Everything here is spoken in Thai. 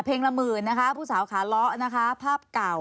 เพลงละหมื่นผู้สาวขาเลาะภาพเก่า